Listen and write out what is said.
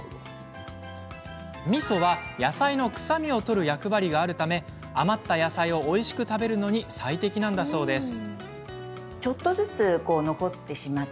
みそは野菜の臭みを取る役割があるため余った野菜をおいしく食べるのに最適なんだそうです。